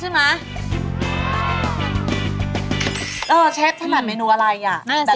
เชฟขนาดเมนูอะไรอ่ะแบบไหน